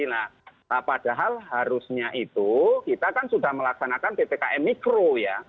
nah padahal harusnya itu kita kan sudah melaksanakan ppkm mikro ya